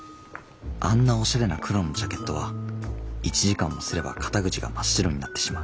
あんなおしゃれな黒のジャケットは１時間もすれば肩口が真っ白になってしまう。